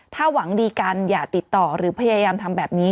ถ้าหวังดีกันอย่าติดต่อหรือพยายามทำแบบนี้